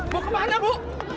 bu bu kemana bu